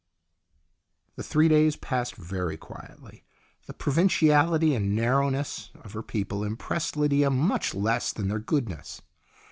The three days passed very quietly. The pro vinciality and narrowness of her people impressed Lydia much less than their goodness.